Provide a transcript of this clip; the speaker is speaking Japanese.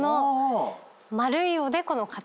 丸いおでこの形。